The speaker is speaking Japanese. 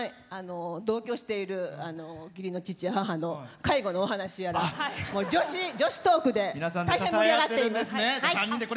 同居している、義理の父・母の介護のお話やら、女子トークで見てください、あそこ。